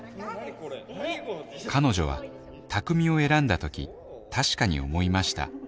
これ彼女は卓海を選んだ時たしかに思いました。